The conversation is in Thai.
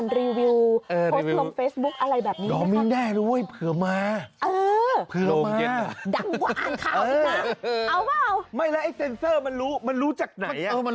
ไม่แล้วอดไซนเเตอร์มันรู้จากไหน